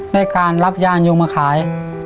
ด้วยการรับยานยงมาขาย